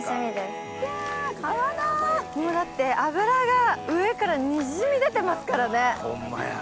もうだって脂が上からにじみ出てますからね。ホンマや。